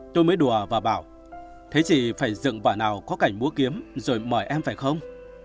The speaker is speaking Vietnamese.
tôi mới đùa và bảo thế chị phải dựng vở nào có cảnh múa kiếm rồi mời em phải không